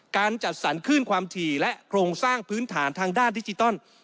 การจัดสรรคลื่นความถี่และโครงสร้างพื้นฐานทางด้านดิจิตอล